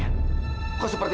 ada apa itu